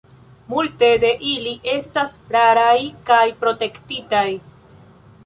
Multe de ili estas raraj kaj protektitaj.